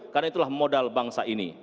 karena itulah modal bangsa ini